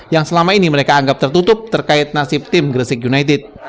yang selama ini mereka anggap tertutup terkait nasib tim gresik united